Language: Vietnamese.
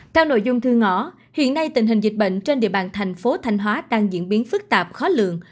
theo nội dung thư ngõ hiện nay tình hình dịch bệnh trên địa bàn thành phố thanh hóa đang diễn biến phức tạp khó lượng